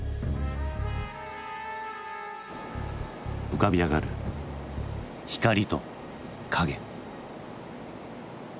浮かび上がる光と影。